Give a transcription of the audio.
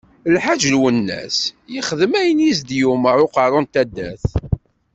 Lḥaǧ Lwennas yexdem ayen i s-d-yumeṛ Uqeṛṛu n taddart.